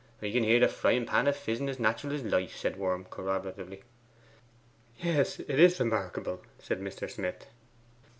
'I can hear the frying pan a fizzing as naterel as life,' said Worm corroboratively. 'Yes, it is remarkable,' said Mr. Smith.